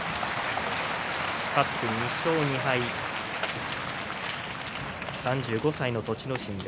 勝って２勝２敗３５歳の栃ノ心。